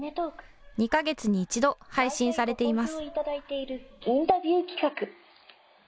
２か月に１度、配信されています。